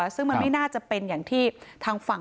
ซึ่งมันไม่น่าจะเป็นอย่างที่ทางฝั่ง